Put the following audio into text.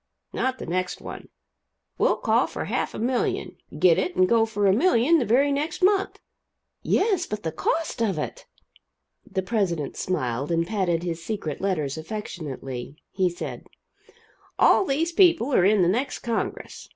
"Not the next one. We'll call for half a million get it and go for a million the very next month." "Yes, but the cost of it!" The president smiled, and patted his secret letters affectionately. He said: "All these people are in the next Congress.